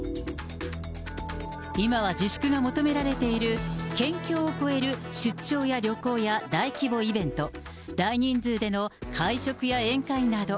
今は自粛が求められている、県境を越える出張や旅行や大規模イベント、大人数での会食や宴会など。